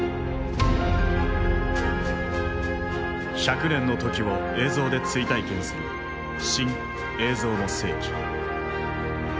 百年の時を映像で追体験する「新・映像の世紀」。